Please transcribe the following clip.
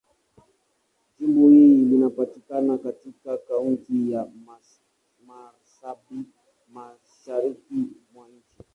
Jimbo hili linapatikana katika Kaunti ya Marsabit, Mashariki mwa nchi.